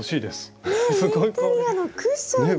ねえインテリアのクッションに。